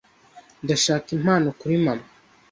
Ndashaka impano kuri mama.